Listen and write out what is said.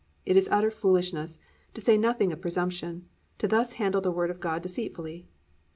It is utter foolishness, to say nothing of presumption, to thus handle the Word of God deceitfully.